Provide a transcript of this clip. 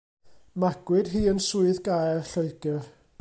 Magwyd hi yn Swydd Gaer, Lloegr.